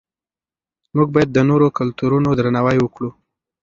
موږ باید د نورو کلتورونو درناوی وکړو.